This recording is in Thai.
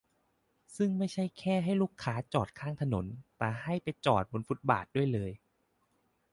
ซึ่งไม่ใช่แค่ให้ลูกค้าจอดข้างถนน แต่ให้ไปจอดบทฟุตบาทด้วยเลย